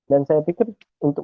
dan saya pikir untuk